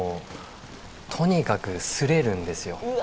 とにかく、すれるんですよ。